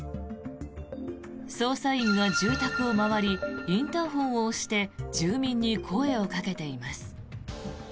捜査員が住宅を回りインターホンを押して住民に声をかけています。